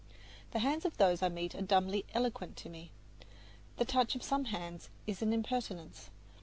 The hands of those I meet are dumbly eloquent to me. The touch of some hands is an impertinence.